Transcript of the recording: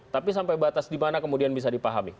tapi sampai batas dimana kemudian bisa dipahami